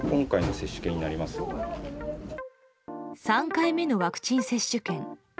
３回目のワクチン接種券。